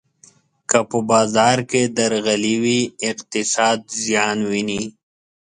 که په بازار کې درغلي وي، اقتصاد زیان ویني.